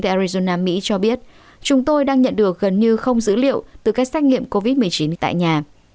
đài washington mỹ cho biết chúng tôi đang nhận được gần như không dữ liệu từ các xét nghiệm covid một mươi chín tại nhà